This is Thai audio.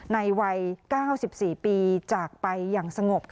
ในวัย๙๔ปีจากไปอย่างสงบ